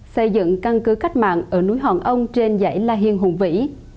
xây dựng căn cứ cách mạng ở núi họn ông trên dãy la huyền hùng vĩ